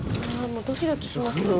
ドキドキしますね。